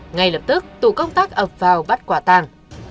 ngay lập tức tổ công tác ập vào bắt quả tàng